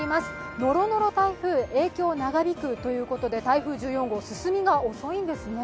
「ノロノロ台風、影響長引く」ということで台風１４号、進みが遅いんですね。